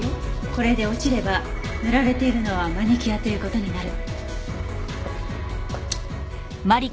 これで落ちれば塗られているのはマニキュアという事になる。